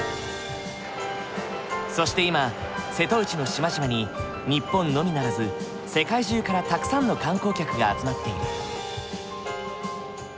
そして今瀬戸内の島々に日本のみならず世界中からたくさんの観光客が集まっている。